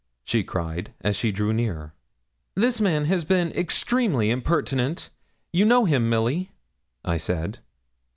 she cried, as she drew near. 'This man has been extremely impertinent. You know him, Milly?' I said.